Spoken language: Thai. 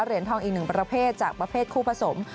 เหรียญทองอีกหนึ่งประเภทจากประเภทคู่ผสม